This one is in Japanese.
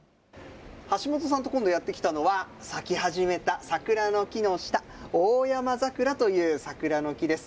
橋本さんと今度やって来たのは、咲き始めた桜の木の下、オオヤマザクラという桜の木です。